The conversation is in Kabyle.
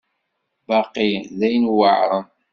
Baqi d ayen yuɛren.